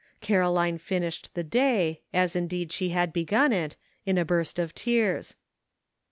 Caroline finished the day, as indeed she had begun it, in a burst of tears.